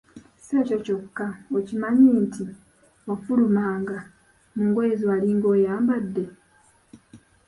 Si ekyo kyokka, okimanyi nti, “ wafulumanga” mu ngoye zewalinga oyambadde ?